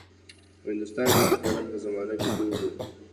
په هندوستان کې د سلطنت په زمانه کې دود و.